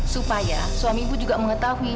supaya suami ibu juga mengetahui